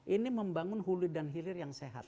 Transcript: ini membangun hulu dan hilir yang sehat